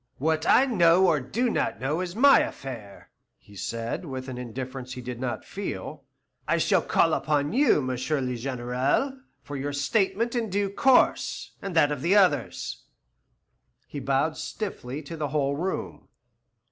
"What I know or do not know is my affair," he said, with an indifference he did not feel. "I shall call upon you, M. le Général, for your statement in due course, and that of the others." He bowed stiffly to the whole room.